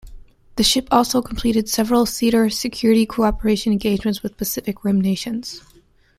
The ship also completed several theater security cooperation engagements with Pacific Rim nations.